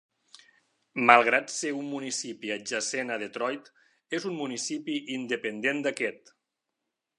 Malgrat ser un municipi adjacent a Detroit és un municipi independent d'aquest.